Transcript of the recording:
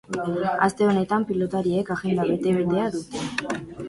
Aste honetan pilotariek agenda bete-betea dute.